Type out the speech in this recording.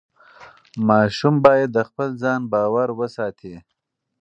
ماشوم باید د خپل ځان باور وساتي.